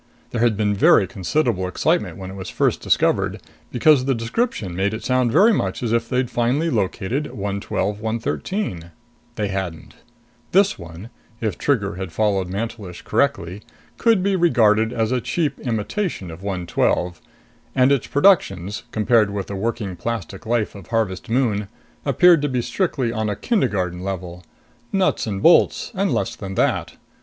There had been very considerable excitement when it was first discovered, because the description made it sound very much as if they'd finally located 112 113. They hadn't. This one if Trigger had followed Mantelish correctly could be regarded as a cheap imitation of 112. And its productions, compared with the working plastic life of Harvest Moon, appeared to be strictly on a kindergarten level: nuts and bolts and less than that.